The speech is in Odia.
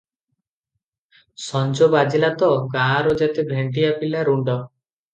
ସଞ୍ଜ ବାଜିଲା ତ, ଗାଁର ଯେତେ ଭେଣ୍ଡିଆ ପିଲା ରୁଣ୍ଡ ।